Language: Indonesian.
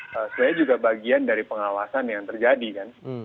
sebenarnya juga bagian dari pengawasan yang terjadi kan